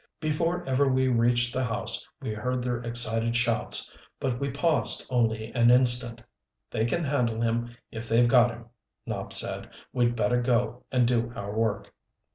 Before ever we reached the house we heard their excited shouts but we paused only an instant. "They can handle him if they've got him," Nopp said. "We'd better go and do our work."